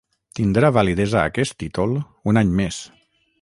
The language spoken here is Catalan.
Tindrà validesa aquest títol un any més.